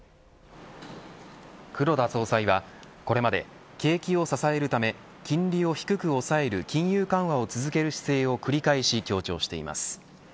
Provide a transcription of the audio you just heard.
黒田総裁はこれまで景気を支えるため金利を低く抑える金融緩和を続ける姿勢を繰り返し強調しています。